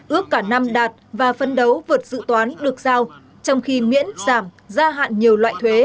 ước cả năm đạt và phân đấu vượt dự toán được giao trong khi miễn giảm gia hạn nhiều loại thuế